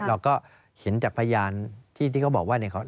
เราก็เห็นจากพยานที่เขาบอกว่าเนี่ย